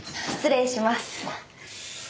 失礼します。